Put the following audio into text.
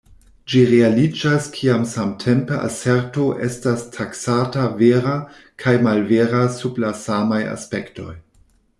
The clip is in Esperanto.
Ĝi realiĝas kiam samtempe aserto estas taksata vera kaj malvera sub la samaj aspektoj.